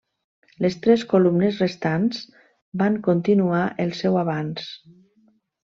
Les tres columnes restants van continuar el seu avanç.